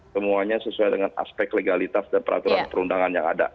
semuanya sesuai dengan aspek legalitas dan peraturan perundangan yang ada